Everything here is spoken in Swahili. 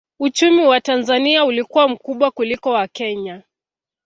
Uchumi wa Tanzania ulikuwa mkubwa kuliko wa Kenya